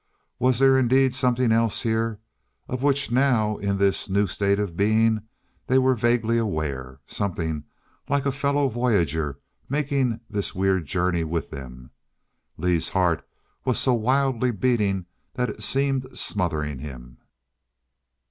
Was there indeed something else here, of which now in this new state of being they were vaguely aware? Something like a fellow voyager making this weird journey with them? Lee's heart was so wildly beating that it seemed smothering him.